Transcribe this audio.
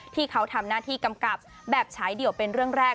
ที่เขาทำหน้าที่กำกับแบบฉายเดี่ยวเป็นเรื่องแรก